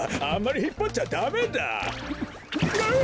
あんまりひっぱっちゃダメだ！